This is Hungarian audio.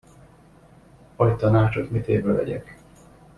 Adj tanácsot, mitévő legyek.